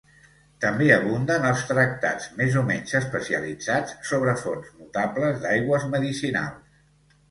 També abunden els tractats, més o menys especialitzats, sobre fonts notables d'aigües medicinals.